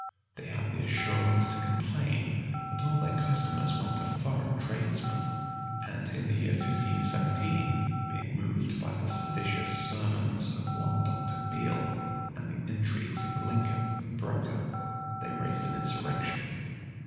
They had the assurance to complain, that all their customers went to foreign tradesmen; and in the year 1517, being moved by the seditious sermons of one Dr. Bele, and the intrigues of Lincoln, a broker, they raised an insurrection.